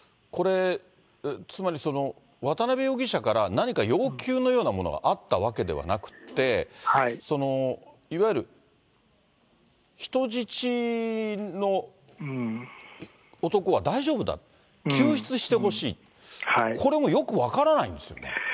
これ、つまり渡辺容疑者から何か要求のようなものがあったわけではなくって、いわゆる人質の男は大丈夫だ、救出してほしい、これもよく分からないんですよね。